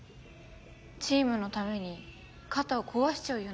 チームのために肩を壊しちゃうような人ですから。